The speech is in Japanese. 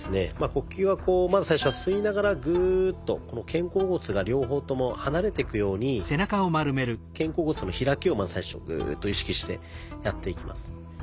呼吸はまず最初は吸いながらグーッとこの肩甲骨が両方とも離れていくように肩甲骨の開きをまず最初グーッと意識してやっていきます。